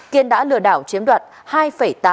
kiên đã lừa đảo chiếm đoạt